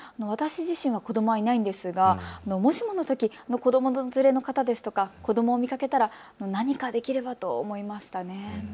私自身は子どもはいないんですがもしものとき、子ども連れの方や子どもを見かけたら何かできればと思いました。